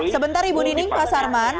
sebentar ibu nining pak sarman